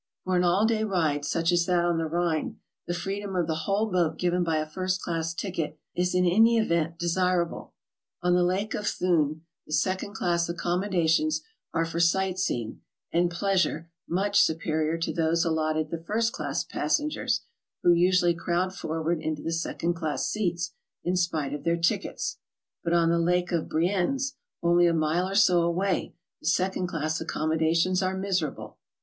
For an all day ride, such as that on the Rhine, the freedom of the w^hole boat given by a first class ticket is in any event desirable. On the Lake of Thun the second class accommodations are for sight seeing and pleasure much superior to those allotted the first class passengers, who usually crowd forward into the second class seats, in spite of their tickets; but on the Lake of Brienz, only a mile or so away, the second class accommodations are miserable.